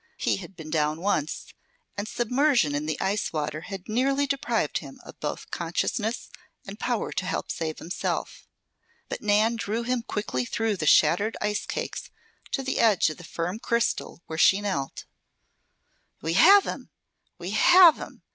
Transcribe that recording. He had been down once, and submersion in the ice water had nearly deprived him of both consciousness and power to help save himself. But Nan drew him quickly through the shattered ice cakes to the edge of the firm crystal where she knelt. "We have him! We have him!"